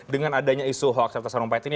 dengan adanya isu hoax dan sarung pahit ini